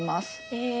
へえ。